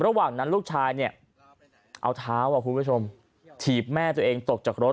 เรียกว่าหลังนั้นลูกชายเนี่ยจะเอาเท้าเทียบแม่ตัวเองตกจากรถ